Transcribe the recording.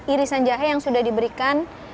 irisan jahe yang sudah diberikan